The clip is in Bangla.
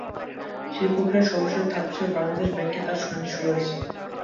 সেই প্রক্রিয়ার সর্বশেষ ধাপ হিসেবে বাংলাদেশ ব্যাংকে তাঁর শুনানি শুরু হয়েছে।